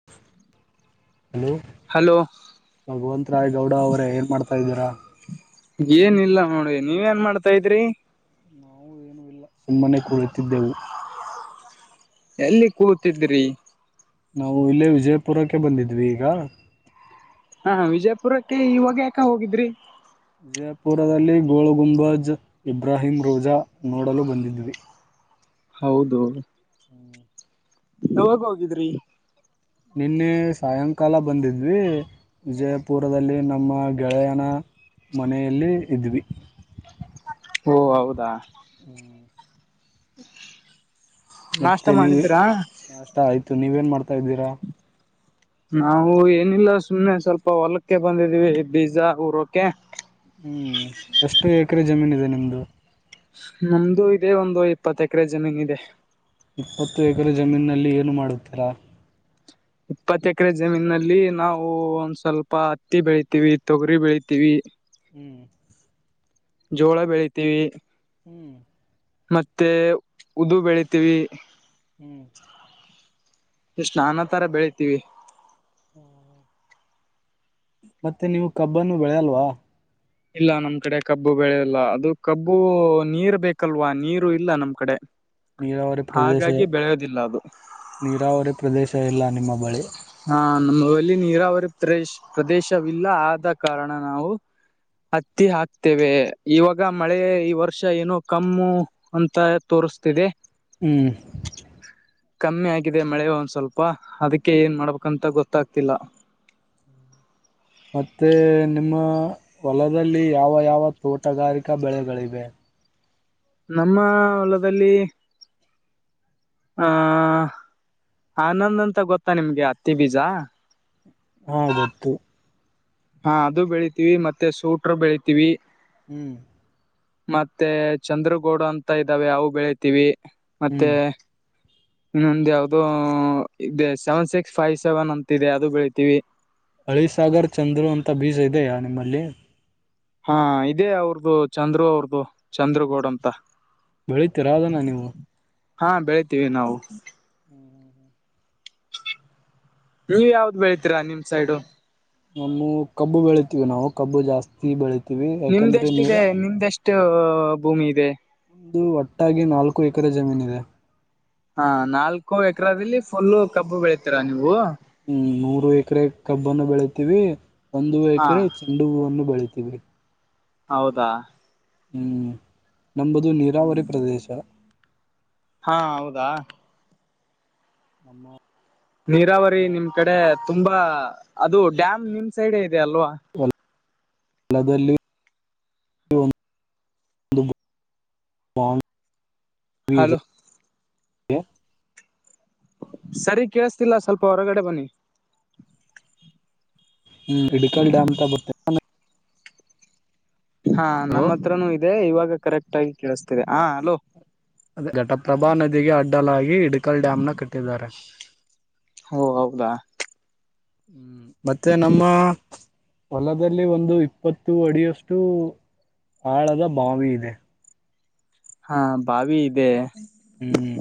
[inaudible] Hello hello ಭಗವಂತ ರಾಯ್ ಗೌಡ ಅವರೇ ಏನ್ ಮಾಡ್ತಾ ಇದೀರಾ? ಏನಿಲ್ಲ ನೋಡಿ ನೀವ್ ಏನ್ ಮಾಡ್ತಾ ಇದ್ರಿ? ನಾವು ಏನು ಇಲ್ಲ ಸುಮ್ಮನೆ ಕುಳಿತಿದ್ದೆವು. ಎಲ್ಲಿ ಕುಂತಿದ್ರಿ. ನಾವು ಇಲ್ಲೇ ವಿಜಯಪುರಕ್ಕೆ ಬಂದಿದ್ವಿ ಈಗ. ಹಾ ವಿಜಯಪುರಕ್ಕೆ ಇವಾಗ್ಯಾಕ ಹೋಗಿದ್ರಿ? ವಿಜಯಪುರದಲ್ಲಿ ಗೋಳಗುಂಬಜ್ ಇಬ್ರಾಹಿಂ ರೋಜಾ ನೋಡಲು ಬಂದಿದ್ವಿ. ಹೌದು. ಹ್ಮ್. ಯಾವಾಗ್ ಹೋಗಿದ್ರಿ? ನಿನ್ನೆ ಸಾಯಂಕಾಲ ಬಂದಿದ್ವಿ. ವಿಜಯಪುರದಲ್ಲಿ ನಮ್ಮ ಗೆಳೆಯನ ಮನೆಯಲ್ಲಿ ಇದ್ವಿ. ಓ ಹೌದಾ? ಹ್ಮ್ ನಾಷ್ಟ ಮತ್ತೆ ನೀವು ಮಾಡಿದ್ರಾ ಅಷ್ಟ ಆಯಿತು ನೀವೇನ್ ಮಾಡ್ತಾ ಇದ್ದೀರಾ? ನಾವು ಏನಿಲ್ಲ ಸುಮ್ಮ್ನೆ ಸ್ವಲ್ಪ ಹೊಲಕ್ಕೆ ಬಂದಿದ್ದೀವಿ ಬೀಜ ಊರೋಕೆ. ಹ್ಮ್ ಎಷ್ಟು ಎಕರೆ ಜಮೀನ್ ಇದೆ ನಿಮ್ದು? ನಮ್ದು ಇದೆ ಒಂದು ಇಪ್ಪತ್ ಎಕರೆ ಜಮೀನ್ ಇದೆ. ಇಪ್ಪತ್ತು ಎಕರೆ ಜಮೀನಲ್ಲಿ ಏನು ಮಾಡುತ್ತೀರಾ? ಇಪ್ಪತ್ತು ಎಕರೆ ಜಮೀನಲ್ಲಿ ನಾವು ಒಂದ್ ಸ್ವಲ್ಪ ಹತ್ತಿ ಬೆಳಿತೀವಿ, ತೊಗರಿ ಬೆಳಿತೀವಿ. ಹ್ಮ್ ಜೋಳ ಬೆಳಿತೀವಿ. ಹ್ಮ್ ಮತ್ತೆ ಉದ್ದು ಬೆಳಿತೀವಿ. ಹ್ಮ್ ಎಷ್ಟು ನಾನಾ ತರ ಬೆಳಿತೀವಿ. ಹ್ಮ ಮತ್ತೆ ನೀವು ಕಬ್ಬನು ಬೆಳೆಯಲ್ವಾ ಇಲ್ಲ ನಮ್ ಕಡೆ ಕಬ್ಬು ಬೆಳೆಲ್ಲ ಅದು ಕಬ್ಬು ನೀರ್ ಬೇಕಲ್ವಾ ನೀರು ಇಲ್ಲ ನಮ್ ಕಡೆ ನೀರಾವರಿ ಪ್ರದೇಶ ಹಾಗಾಗಿ ಬೆಳೆಯೋದಿಲ್ಲ ಅದು ನೀರಾವರಿ ಪ್ರದೇಶ ಎಲ್ಲ ನಿಮ್ಮ ಬಳಿ ಹಾ ನಮ್ಮಲ್ಲಿ ನೀರಾವರಿ ಪ್ರದೇಶ್ ಪ್ರದೇಶವಿಲ್ಲ ಆದ ಕಾರಣ ನಾವು ಹತ್ತಿ ಹಾಕ್ತೇವೆ ಇವಾಗ ಮಳೆ ಈ ವರ್ಷ ಏನೋ ಕಮ್ಮು ಅಂತ ತೋರಿಸ್ತಿದೆ ಹ್ಮ್ ಕಮ್ಮಿ ಆಗಿದೆ ಮಳೆ ಒಂದ್ ಸ್ವಲ್ಪ ಅದಕ್ಕೆ ಏನ್ ಮಾಡ್ಬೇಕಂತ ಗೊತ್ತಾಗ್ತಿಲ್ಲ ಮತ್ತೆ ನಿಮ್ಮ ಹೊಲದಲ್ಲಿ ಯಾವ ಯಾವ ತೋಟಗಾರಿಕಾ ಬೆಳೆಗಳಿವೆ ನಮ್ಮ ಹೊಲದಲ್ಲಿ ಹ ಆನಂದ್ ಅಂತ ಗೊತ್ತಾ ನಿಮ್ಗೆ ಅತ್ತಿ ಬೀಜ ಹಾ ಗೊತ್ತು ಹಾ ಅದು ಬೆಳಿತೀವಿ ಮತ್ತೆ ಸೂಟರು ಬೆಳಿತೀವಿ ಹ್ಮ್ ಮತ್ತೆ ಚಂದ್ರಗೌಡು ಅಂತ ಇದ್ದಾವೆ ಅವು ಬೆಳಿತೀವಿ ಮತ್ತೆ ಹ್ಮ್ ಇನ್ನೊಂದ ಯಾವವುದೋ E seven six five seven ಅಂತ ಇದೆ ಅದು ಬೆಳಿತೀವಿ ಹಳಿಸಾಗರ್ ಚಂದ್ರು ಅಂತ ಬೀಜ ಇದೆಯ ನಿಮ್ಮಲ್ಲಿ ಹಾ ಇದೇ ಅವ್ರದು ಚಂದ್ರು ಅವ್ರದು ಚಂದ್ರಗೌಡ ಅಂತ ಬೆಳಿತೀರಾ ಅದನ್ನ ನೀವು ಹಾ ಬೆಳಿತೀವಿ ನಾವು. [unintelligible] ನೀವ್ ಯಾವ್ದ್ ಬೆಳ್ತೀರಾ ನಿಮ್ ಸೈಡು ನಮ್ಮ ಕಬ್ಬು ಬೆಳಿತೀವಿ ನಾವು ಕಬ್ಬು ಜಾಸ್ತಿ ಬೆಳಿತೀವಿ ಯಾಕೆಂದ್ರೆ ನೀರ ಮ ಭೂಮಿ ಇದೆ ಒಂದು ಒಟ್ಟಾಗಿ ನಾಲ್ಕು ಎಕರೆ ಜಮೀನ್ ಇದೆ ಹಾ ನಾಲ್ಕು ಎಕ್ರದಲ್ಲಿ ಫುಲ್ಲು ಕಬ್ಬು ಬೆಳಿತೀರ ನೀವು ಹ್ಮ ನೂರು ಎಕರೆ ಕಬ್ಬನ್ನು ಬೆಳಿತೀವಿ ಒಂದು ಹಾ ಎಕರೆ ಚೆಂಡು ಹೂವನ್ನು ಬೆಳಿತವಿ ಹೌದಾ ಹ್ಮ್ ನಂಬದು ನೀರಾವರಿ ಪ್ರದೇಶ ಹಾ ಹೌದಾ ಆಮ್ಮ ನೀರಾವರಿ ನಿಮ್ ಕಡೆ ತುಂಬಾ ಅದು ಡ್ಯಾಮ್ ನಿಮ್ ಸೈಡ್ ಇದೆ ಅಲ್ವಾ [inaudible] ದಲ್ಲಿ ಒಂದು ಬಾವಿ ಹಲೋ ಇದೆ ಸರಿ ಕೇಳಸ್ತಿಲ್ಲ ಸ್ವಲ್ಪ ಹೊರಗಡೆ ಬನ್ನಿ. ಹ್ಮ್ ಇಡಿಕಾಲ್ ಡಾಮ್ ಅಂತ. ಹಾ ನಮ್ಮ ಹತ್ರನೂ ಇದೆ ಇವಾಗ ಕರೆಕ್ಟ್ ಆಗಿ ಕೇಳಿಸ್ತಿದೆ ಹಾ ಅಲೋ. ಅದೆ ಘಟಪ್ರಭಾ ನದಿಗೆ ಅಡ್ಡಲಾಗಿ. ಲ್ ಡ್ಯಾಮ್ನ ಕಟ್ಟಿದ್ದಾರೆ ಓ ಹೌದಾ ಮತ್ತ ನಮ್ಮ. ಹೊಲದಲ್ಲಿ ಒಂದು ಇಪ್ಪತ್ತು ಅಡಿಯಷ್ಟು ಆಳದ ಬಾವಿ ಇದೆ. ಹಾ ಬಾವಿ ಇದೆ. ಹ್ಮ್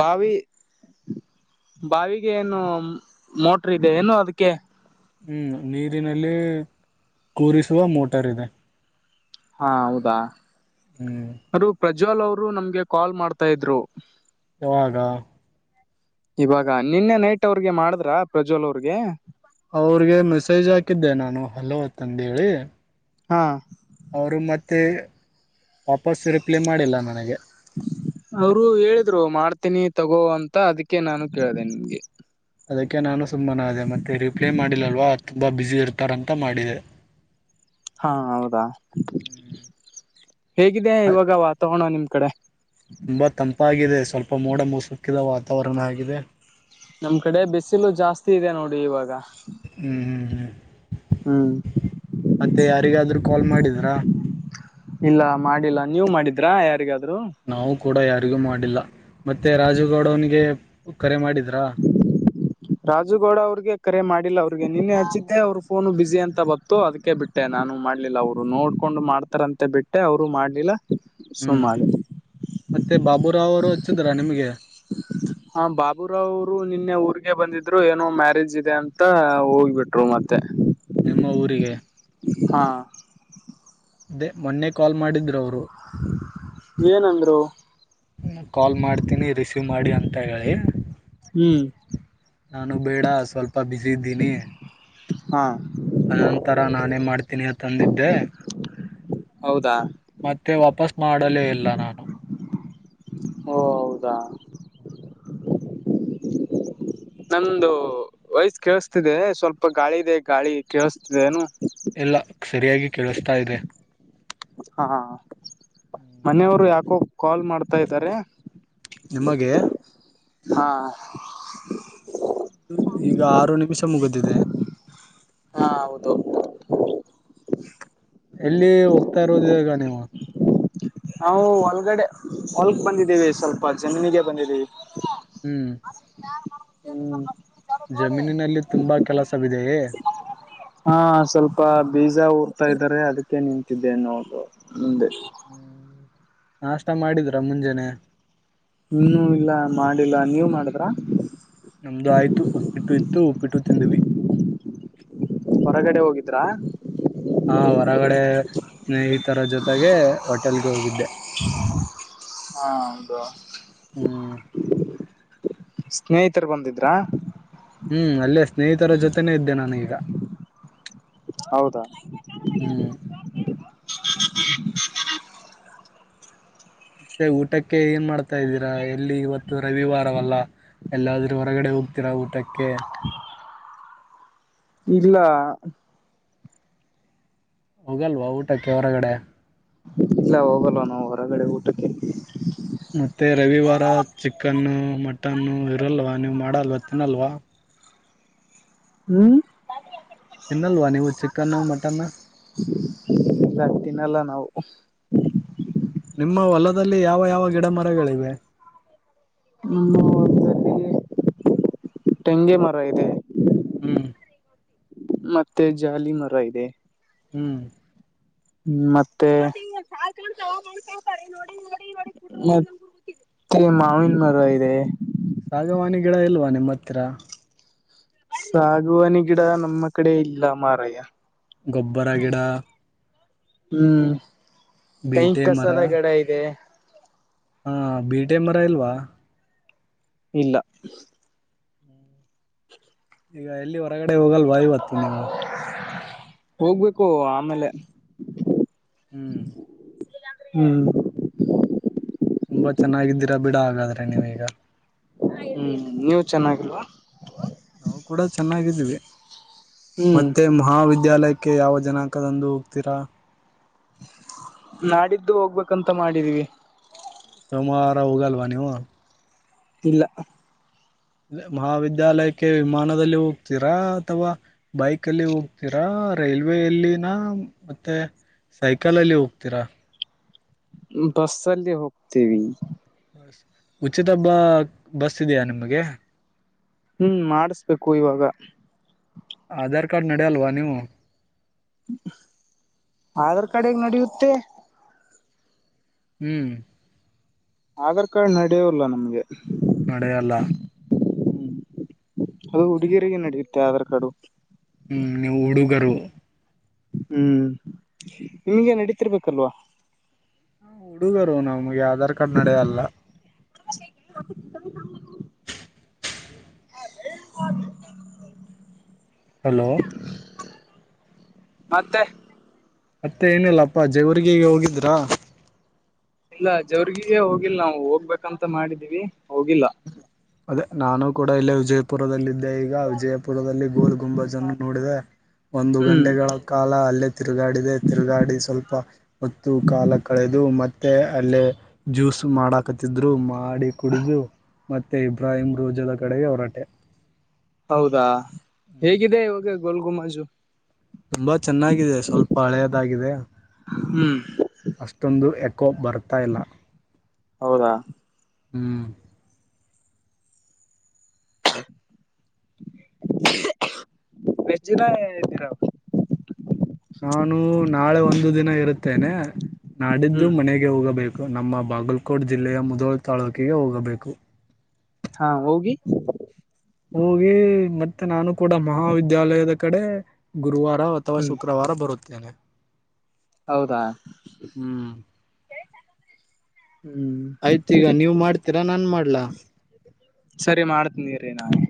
ಭಾವಿ. ಬಾವಿಗೆ ಏನು ಮೋಟ್ರ ಇದೆ ಏನು ಅದಕ್ಕೆ. ಹ್ಮ್ ನೀರಿನಲ್ಲಿ ಕೂರಿಸುವ ಮೋಟಾರ್ ಇದೆ. ಹಾ ಹೌದಾ ಹ್ಮ್ ಅರು ಪ್ರಜ್ವಲ್ ಅವರು ನಮ್ಗೆ ಕಾಲ್ ಮಾಡ್ತಾ ಇದ್ರು. ಯಾವಾಗ. ಇವಾಗ ನಿನ್ನೆ ನೈಟ್ ಅವ್ರಿಗೆ ಮಾಡಿದ್ರ ಪ್ರಜ್ವಲ್ ಅವ್ರಿಗೆ. ಅವ್ರಿಗೆ ಮೆಸೇಜ್ ಹಾಕಿದ್ದೆ ನಾನು ಹಲೋ ತಂದೇಳಿ. ಹಾ. ಅವರು ಮತ್ತೆ ವಾಪಸ್ಸ ರಿಪ್ಲೈ ಮಾಡಿಲ್ಲ ನನಗೆ. ಅವರು ಹೇಳಿದ್ರು ಮಾಡ್ತೀನಿ ತಗೋ ಅಂತ ಅದಕ್ಕೆ ನಾನು ಕೇಳಿದೆ ನಿಮ್ಗೆ. ಅದಕ್ಕೆ ನಾನು ಸುಮ್ಮನ ಅೇ ಮತ್ತೆ ರಿಪ್ಲೈ ಮಾಡಿಲ್ಲಲ್ವ ತುಂಬಾ ಬಿಸಿ ಇರ್ತಾರಂತ ಮಾಡಿದೆ. ಹಾ ಹೌದಾ. ಹೇಗಿದೆ ಇವಾಗ ವಾತಾವರಣ ನಿಮ್ ಕಡೆ. ತಪ್ಪಾಗಿದೆ ಸ್ವಲ್ಪ ಮೋಡ ಮುಸುಕಿದ ವಾತಾವರಣ ಆಗಿದೆ. ನಮ್ ಕಡೆ ಬಿಸಿಲು ಜಾಸ್ತಿ ಇದೆ ನೋಡಿ ಇವಾಗ ಹ್ಮ್ ಹ್ಮ್ ಹ್ಮ್. ಹ್ಮ್. ಮತ್ತೆ ಯಾರಿಗಾದ್ರೂ ಕಾಲ್ ಮಾಡಿದ್ರಾ. ಇಲ್ಲ ಮಾಡಿಲ್ಲ ನೀವು ಮಾಡಿದ್ರಾ ಯಾರಿಗಾದ್ರು. ನಾವು ಕೂಡ ಯಾರಿಗೂ ಮಾಡಿಲ್ಲ ಮತ್ತೆ ರಾಜುಗೌಡ ಅವನಿಗೆ ಕರೆ ಮಾಡಿದ್ರಾ. [inaudible] ರಾಜುಗೌಡ ಅವ್ರಿಗೆ ಕರೆ ಮಾಡಿಲ್ಲ ಅವ್ರಿಗೆ ನಿನ್ನೆ ಹಚ್ಚಿದ್ದೆ ಅವ್ರ ಫೋನು ಬಿಸಿ ಅಂತ ಬತ್ತು ಅದಕ್ಕೆ ಬಿಟ್ಟು. ಮಟ್ಟೆ ನಾನು ಮಾಡ್ಲಿಲ್ಲ ಅವ್ರು ನೋಡ್ಕೊಂಡು ಮಾಡ್ತಾರಂತೆ ಬಿಟ್ಟೆ ಅವ್ರು ಮಾಡ್ಲಿಲ್ಲ ಹ್ಮ್ ಸುಮ್ಮಿಲ್ಲ. ಮತ್ತೆ ಬಾಬುರಾವ್ ಅವರು ಹಚ್ಚಿದ್ರಾ ನಿಮ್ಗೆ. ಹಾ ಬಾಬುರಾವ್ರು ನಿನ್ನೆ ಊರ್ಗೆ ಬಂದಿದ್ರು ಏನೋ ಮ್ಯಾರೇಜ್ ಇದೆ ಅಂತ ಹೋಗ್ಬಿಟ್ರು ಮತ್ತೆ. ತ್ತ. ನಿಮ್ಮ ಊರಿಗೆ. ಹಾ ಅದೇ ಮೊನ್ನೆ ಕಾಲ್ ಮಾಡಿದ್ರು ಅವರು ಏನಂದರು. ಕಾಲ್ ಮಾಡ್ತೀನಿ ರಿಸೀವ್ ಮಾಡಿ ಅಂತ ಹೇಳಿ. ಹ್ಮ್ ನಾನು ಬೇಡ ಸ್ವಲ್ಪ ಬಿಸಿ ಇದ್ದೀನಿ. ಹಾ. ಅದ ನಂತರ ನಾನೇನ್ ಮಾಡ್ತೀನಿ ಅಂತಂದಿದ್ದೆ. ಹೌದಾ. ಮತ್ತೆ ವಾಪಸ್ ಮಾಡಲೇ ಇಲ್ಲ ನಾನು. ಹೌದಾ. [inaudible] ನಮ್ದ ವಯ್ಸ್ ಕೇಳಸ್ತಿದೆ ಸ್ವಲ್ಪ ಗಾಳಿ ಇದೆ ಗಾಳಿ ಕೇಳಸ್ತಿದೆ ನು. ಎಲ್ಲ ಸರಿಯಾಗಿ ಕೇಳಿಸ್ತಾ ಇದೆ. ಹಾ ಮನೆಯವ್ರು ಯಾಕೋ ಕಾಲ್ ಮಾಡ್ತಾ ಇದ್ದಾರೆ. ನಿಮಗೆ. ಹಾ. ಈಗ ಆರು ನಿಮಿಷ ಮುಗಿದಿದೆ ಹಾ ಹೌದು ಎಲ್ಲಿ ಹೋಗ್ತಾ ಇರೋದ ಈಾಗ ನೀವು ನಾವು ಹೊಳಗಡೆ ಹೊಲ್ಕ್ ಬಂದಿದ್ದೀವಿ ಸ್ವಲ್ಪ ಜನ್ನನಿಗೆ ಬಂದಿದ್ದೀವಿ ಹ್ಮ್ [unintelligible] ಜಮೀನಿನಲ್ಲಿ ತುಂಬಾ ಕೆಲಸವಿದೆಯೇ ಹಾ ಸ್ವಲ್ಪ ಬೀಜ ಊರ್ತಾ ಇದಾರೆ ಅದಕ್ಕೆ ನಿಂತಿದ್ದೆನ್ನೋದು ಮುಂದೆ ನಾಷ್ಟ ಮಾಡಿದ್ರಾ ಮುಂಜಾನನೆ ಇನ್ನುೂ ಇಲ್ಲ ಮಾಡಿಲ್ಲ ನೀವ ಮಾಡಿದ್ರ ನಮ್ದು ಆಯ್ತು ಉಪ್ಪಿಟ್ಟು ಇತ್ತು ಉಪ್ಪಿಟ್ಟು ತಿಂದ್ವಿ ಹೊರಗಡೆ ಹೋಗಿದ್ರಾ ಹಾ ಹೊರಗಡೆ ಸ್ನೇಹಿತರ ಜೊತೆಗೆ ಹೋಟೆಲ್ಗೆ ಹೋಗಿದ್ದೆ ಹಾ ಹೌದು ಹ್ಮ್ ಸ್ನೇಹಿತರು ಬಂದಿದ್ರಾ ಹ್ಮ್ ಅಲ್ಲೇ ಸ್ನೇಹಿತರ ಜೊತೆನೇ ಇದ್ದೆ ನಾನೀಗ ಹೌದಾ ಹ್ಮ್ ಮತ್ತೆ ಊಟಕ್ಕೆ ಏನ್ ಮಾಡ್ತಾ ಇದ್ದೀರಾ ಎಲ್ಲಿ ಇವತ್ತು ರವಿವಾರವಲ್ಲ ಎಲ್ಲಾದ್ರೂ ಹೊರಗಡೆ ಹೋಗ್ತೀರಾ ಊಟಕ್ಕೆ ಇಲ್ಲ ಹೋಗಲ್ವ ಊಟಕ್ಕೆ ಹೊರಗಡೆ ಇಲ್ಲ ಹೋಗಲ್ವ ನಾವು ಹೊರಗಡೆ ಊಟಕ್ಕೆ ಮತ್ತೆ ರವಿವಾರ ಚಿಕನ್ನು ಮಟನ್ನು ಇರಲ್ವ ನೀವು ಮಾಡಲ್ವ ತಿನ್ನಲ್ವ ಹ್ಮ್ ತಿನ್ನಲ್ವಾ ನೀವು ಚಿಕನ್ನು ಮಟನ್ ರಕ್ತಿನಲ್ಲ ನಾವು ನಿಮ್ಮ ಹೊಲದಲ್ಲಿ ಯಾವ ಯಾವ ಗಿಡ ಮರಗಳಿವೆ ಹ್ಮ ಒಲ್ಲಿ ತೆಂಗೆ ಮರ ಇದೆ ಹ್ಮ್ ಮತ್ತೆ ಜಾಲಿ ಮರ ಇದೆ ಹ್ಮ್ ಹ್ಮ್ ಮತ್ತೆ ಮ ಅ ಮಾವಿನ ಮರ ಇದೆ ಸಾಗವಾನಿ ಗಿಡ ಇಲ್ವಾ ನಿಮ್ಮ ಹತ್ತಿತ್ರ ಸಾಗುವಾಣಿ ಗಿಡ ನಮ್ಮ ಕಡೆ ಇಲ್ಲ ಮಾರಯ್ಯ ಗೊಬ್ಬರ ಗಿಡ ಹ್ಮ್ ಕೈ ಬೀಟೆ ಮರ ಕಸದ ಗಡ ಇದೆ ಹಾ ಬಿ ಟೆ ಮರ ಇಲ್ವಾ ಇಲ್ಲ ಈಗ ಎಲ್ಲಿ ಹೊರಗಡೆ ಹೋಗಲ್ ಬಾಯಿ ಬತ್ತು ನೀವು ಹೋಗ್ಬೇಕು ಆಮೇಲೆ ಹ್ಮ್ ಹ್ಮ್ ತುಂಬಾ ಚೆನ್ನಾಗಿದ್ದೀರಾ ಬಿಡ ಹಾಗಾದ್ರೆ ನೀವೀಗ ಹ್ಮ್ ನೀವ ಚೆನ್ನಾಗಿಲ್ವಾ ನಾವು ಕೂಡ ಚೆನ್ನಾಗಿದ್ದೀವಿ ಹ್ಮ್ ಮತ್ತೆ ಮಹಾವಿದ್ಯಾಲಯಕ್ಕೆ ಯಾವ ಜನಾಂಕದಂದು ಹೋಗ್ತೀರಾ ನಾಡಿದ್ದು ಹೋಗ್ಬೇಕಂತ ಮಾಡಿದೀವಿ ಸೋಮವಾರ ಹೋಗಲ್ವಾ ನೀವು ಇಲ್ಲ ಮಹಾವಿದ್ಯಾಲಯಕ್ಕೆ ವಿಮಾನದಲ್ಲಿ ಹೋಗ್ತೀರಾ ಅಥವಾ ಬೈಕ್ ಅಲ್ಲಿ ಹೋಗ್ತೀರಾ ರೈಲ್ವೆ ಅಲ್ಲಿನ ಮತ್ತೆ ಸೈಕಲಲ್ಲಿ ಹೋಗ್ತೀರಾ ಬಸ್ ಅಲ್ಲಿ ಹೋಗ್ತೇವಿ ಉಚಿತ ಬಸ್ ಇದೆಯಾ ನಿಮ್ಗೆ ಹ್ಮ್ ಮಾಡಿಸ್ಬೇಕು ಇವಾಗ ಆಧಾರ್ ಕಾರ್ಡ್ ನೆಡೆಯಲ್ವ ನೀವು ಆಧಾರ್ ಕಾರ್ಡ್ ಹೇಗ್ ನೆಡಿಯುತ್ತೆ ಹ್ಮ್ ಆಧಾರ್ ಕಾರ್ಡ್ ನಡೆಯೋಲ್ಲ ನಮ್ಗೆ ನಡೆಯಲ್ಲ ಅದು ಹುಡುಗಿಯರಿಗೆ ನಡೆಯುತ್ತೆ ಆಧಾರ್ ಕಾರ್ಡು ಹ್ಮ್ ನೀವು ಹುಡುಗರು ಹ್ಮ್ ನಿಮಗೆ ನಡೀತಿರ್ಬೇಕಲ್ವಾ ಹುಡುಗರು ನಮ್ಗೆ ಆಧಾರ್ ಕಾರ್ಡ್ ನಡೆಯಲ್ಲ [inaudible] [inaudible] ಹಲೋ. ಮತ್ತೆ. ಮತ್ತೆ ಏನಿಲ್ಲಪ್ಪ ಜೇವರ್ರಿಗಿಗೆ ಹೋಗಿದ್ರಾ. ಇಲ್ಲ ಜವರ್ಗಿಗೆ ಹೋಗಿಲ್ಲ ನಾವು ಹೋಗ್ಬೇಕಂತ ಮಾಡಿದೀನೀ ಹೋಗಿಲ್ಲ. ಅದೇ ನಾನು ಕೂಡ ಇಲ್ಲೇ ವಿಜಯಪುರದಲ್ಲಿ ಇದ್ದೆ ಈಗ. ಈಗ ವಿಜಯಪುರದಲ್ಲಿ ಗೋಲ್ ಗುಂಬಜ್ ನೋಡಿದೆ ಒಂದು ಹ್ಮ್ ಗಂಟೆಗಳ ಕಾಲ. ಕಾಲ ಅಲ್ಲೇ ತಿರುಗಾಡಿದೆ ತಿರುಗಾಡಿ ಸ್ವಲ್ಪ. ಹೊತ್ತ್ ಕಾಲ ಕಳೆದು ಮತ್ತೆ ಅಲ್ಲೇ ಜ್ಯೂಸ್ ಮಾಡಕ್. ಕತ್ತಿದ್ರು ಮಾಡಿ ಕುಡಿದು ಮತ್ತೆ ಇಬ್ರಾಹಿಂ ರೋಜದ ಕಡೆಗೆ ಹೊರಟೆ. ಹೌದಾ ಹ್ಮ್ ಹೇಗಿದೆ ಇವಾಗ ಗೋಲ್ ಗುಮಾಜು. ತುಂಬಾ ಚೆನ್ನಾಗಿದೆ ಸ್ವಲ್ಪ ಹಳೆಯದಾಗಿದೆ. ಹ್ಮ್. ಅಷ್ಟೊಂದು ಎಕೋ ಬರ್ತಾ ಇಲ್ಲ ಹೌದಾ ಹ್ಮ್. [unintelligible] ಎಷ್ಟು ದಿನ ಇರ್ತೀರ ನಾನು ನಾಳೆ ಒಂದು ದಿನ ಇರುತ್ತೇನೆ. ನಾಡಿದ್ದು ಹ್ಮ್ ಮನೆಗೆ ಹೋಗಬೇಕು ನಮ್ಮ ಬಾಗಲ್ಕೋಟ್ ಜಿಲ್ಲೆಯ ಮುದೋಳ ತಾಲೂಕಿಗೆ ಹೋಗಬೇಕು. ಹಾ ಹೋಗಿ. ಹೋಗಿ ಮತ್ತೆ ನಾನು ಕೂಡ ಮಹಾವಿದ್ಯಾಲಯದ ಕಡೆ ಗುರುವಾರ. ಅಥವಾ ಹ್ಮ್ ಶುಕ್ರವಾರ ಬರುತ್ತೇನೆ. ಹೌದಾ. ಹ್ಮ್ ಹ್ಮ್. ಆಯ್ತ್ ಈಗ ನೀವ್ ಮಾಡ್ತೀರಾ ನಾನ್ ಮಾಡ್ಲಾ. ಸರಿ ಮಾಡ್ತೀನಿ ಇರೀ ನಾನೇ.